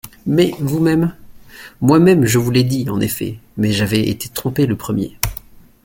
Mais, vous-même … Moi-même, je vous l'ai dit, en effet, mais j'avais été trompé le premier.